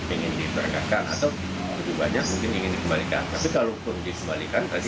ingin diterakan atau lebih banyak mungkin ingin dikembalikan tapi kalaupun dikembalikan tadi